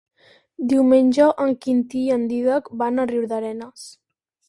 Diumenge en Quintí i en Dídac van a Riudarenes.